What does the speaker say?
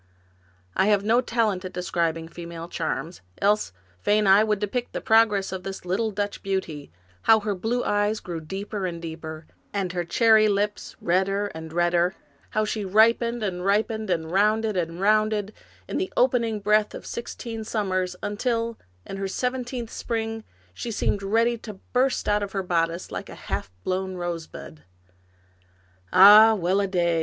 I have no talent at describing female charms, else fain would I depict the progress of this little Dutch beauty : how her blue eyes grew deeper and deeper, and her cherry lips redder and redder, and how she ripened and ripened, and rounded and rounded, in the opening breath of sixteen summers, until, in her seventeenth spring, she seemed ready to burst out of her bodice, like a half blown rosebud. Ah, well a day!